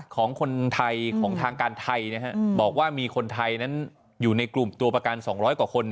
ของคนไทยของทางการไทยบอกว่ามีคนไทยนั้นอยู่ในกลุ่มตัวประกัน๒๐๐กว่าคน